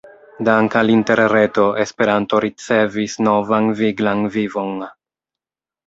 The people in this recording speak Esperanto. Dank’ al Interreto Esperanto ricevis novan viglan vivon.